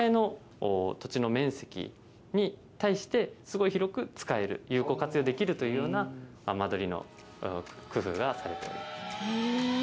すごい広く使える有効活用できるというような間取りの工夫がされております。